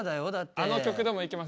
あの曲でもいけます。